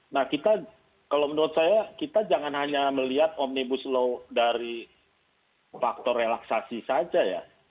nah kita kalau menurut saya kita jangan hanya melihat omnibus law dari faktor relaksasi saja ya